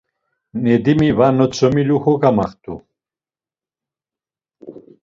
Nedimi va natzomilu, kogamaxt̆u.